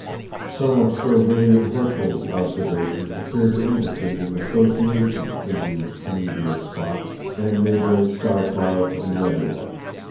Some of Sir William Herschel's observations appear to indicate an association between these tenebrious spots and neighboring star clouds and nebulæ.